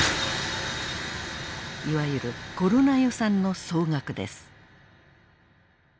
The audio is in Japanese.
いわゆるコロナ予算の総額です。